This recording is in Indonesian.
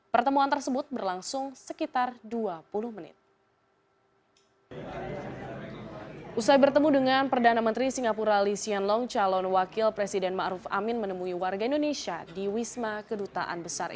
pertemuan tersebut berlangsung